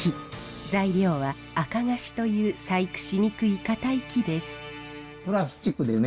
材料はアカガシという細工しにくい固い木です。